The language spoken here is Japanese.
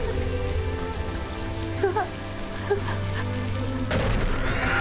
違う。